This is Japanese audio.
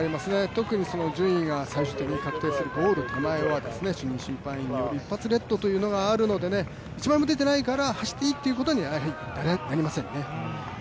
特に順位が最終的に確定するゴール手前は審判員による一発レッドというのがありますので１枚も出ていないから走っていいということにはなりませんね。